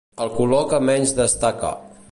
El color que menys destaca.